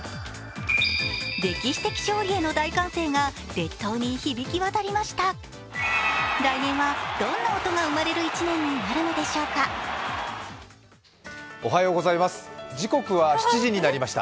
歴史的勝利への大歓声が列島に響き渡りました。